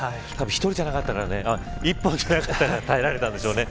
たぶん１人じゃなかったから１本じゃなかったから耐えられたんでしょうね。